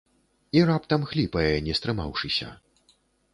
І раптам хліпае, не стрымаўшыся.